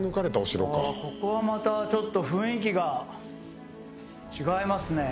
ここはまたちょっと雰囲気が違いますね